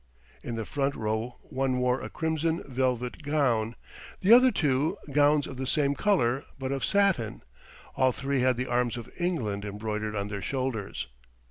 In the front row one wore a crimson velvet gown; the other two, gowns of the same colour, but of satin. All three had the arms of England embroidered on their shoulders.